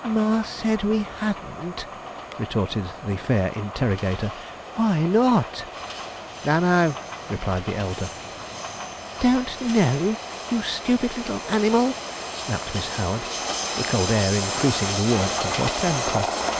'Mar said we hadn't!' retorted the fair interrogator. 'Why not?' 'Don't know,' replied the elder. 'Don't know! you little stupid animal,' snapped Miss Howard, the cold air increasing the warmth of her temper.